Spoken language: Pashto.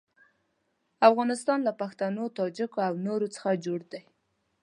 افغانستان له پښتنو، تاجکو او نورو څخه جوړ دی.